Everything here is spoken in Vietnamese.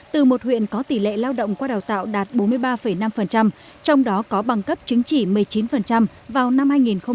từ một huyện có tỷ lệ lao động qua đào tạo đạt bốn mươi ba năm trong đó có bằng cấp chứng chỉ một mươi chín vào năm hai nghìn một mươi năm